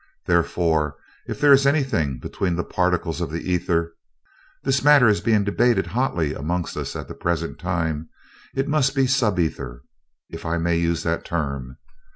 Therefore, if there is anything between the particles of the ether this matter is being debated hotly among us at the present time it must be a sub ether, if I may use that term.